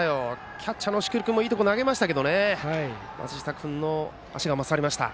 キャッチャーの押切君もいいところに投げましたけど松下君の足が勝りました。